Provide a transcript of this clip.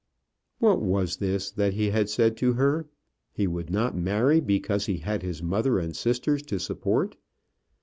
What was this that he had said to her? He would not marry because he had his mother and sisters to support.